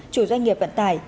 chủ doanh nghiệp vận tải